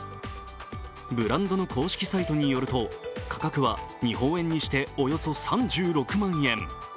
ブランドの公式サイトによると価格は日本円にしておよそ３６万円。